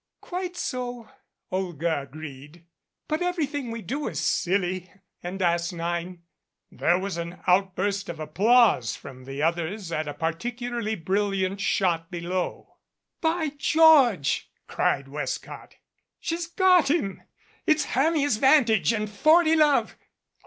"Quite so," Olga agreed, "but everything we do is silly and asinine." 65 MADCAP There was an outburst of applause from the others at a particularly brilliant shot below. "By George!" cried Westcott, "she's got him. It's Hermia's vantage and forty love.